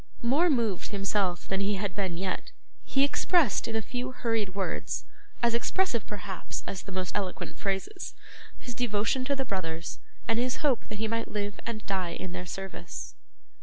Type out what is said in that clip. More moved himself than he had been yet, he expressed in a few hurried words as expressive, perhaps, as the most eloquent phrases his devotion to the brothers, and his hope that he might live and die in their service.